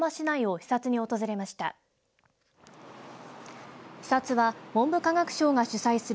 視察は文部科学省が主催する。